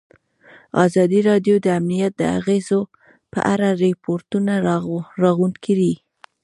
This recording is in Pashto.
ازادي راډیو د امنیت د اغېزو په اړه ریپوټونه راغونډ کړي.